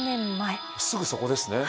すぐそこですね。